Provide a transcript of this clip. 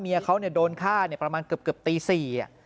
เมียเขาเนี่ยยโดนฆ่าเนี่ยประมาณครับตี๔